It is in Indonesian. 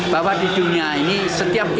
bahwa di dunia ini setiap